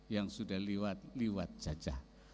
yang sudah liwat liwat cacah